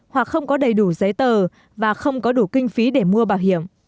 hoặc không có đầy đủ giấy tờ và không có đủ kinh phí để mua bảo hiểm